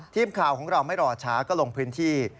ทีมข่าวของเราไม่รอช้าก็ลงพื้นที่